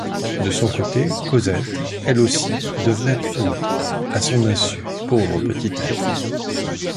De son côté, Cosette, elle aussi, devenait autre, à son insu, pauvre petit être!